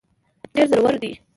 ډېر زورور دی.